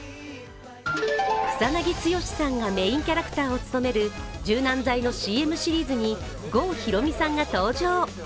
草なぎ剛さんがメーンキャラクターを務める柔軟剤のＣＭシリーズに郷ひろみさんが登場。